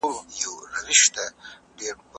د لويي جرګې په ترڅ کي عام افغانان څه احساس کوي؟